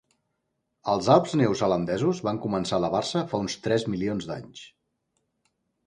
Els Alps Neozelandesos van començar a elevar-se fa uns tres milions d'anys.